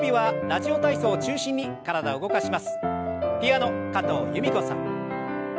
ピアノ加藤由美子さん。